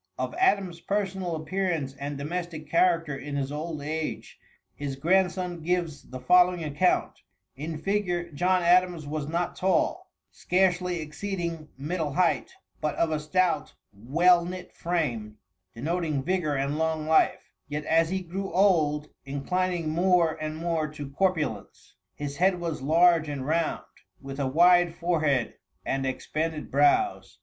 Of Adams' personal appearance and domestic character in his old age, his grandson gives the following account: "In figure, John Adams was not tall, scarcely exceeding middle height, but of a stout, well knit frame, denoting vigor and long life, yet as he grew old inclining more and more to corpulence. His head was large and round, with a wide forehead and expanded brows.